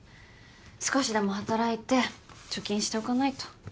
少しでも働いて貯金しておかないと。